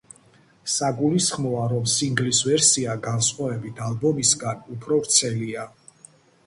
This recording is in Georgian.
საგულისხმოა, რომ სინგლის ვერსია, განსხვავებით ალბომისგან, უფრო ვრცელია.